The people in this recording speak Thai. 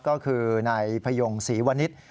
ก็คือในพยงศรีวณิชย์